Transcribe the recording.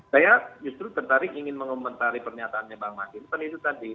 saya justru tertarik ingin mengomentari pernyataannya bang masinton itu tadi